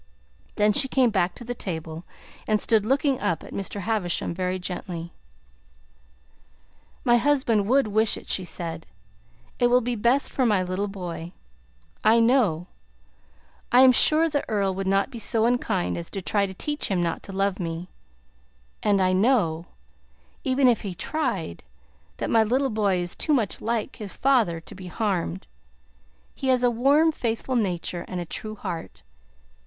Then she came back to the table and stood looking up at Mr. Havisham very gently. "My husband would wish it," she said. "It will be best for my little boy. I know I am sure the Earl would not be so unkind as to try to teach him not to love me; and I know even if he tried that my little boy is too much like his father to be harmed. He has a warm, faithful nature, and a true heart.